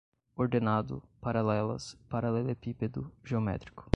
ordenado, paralelas, paralelepípedo, geométrico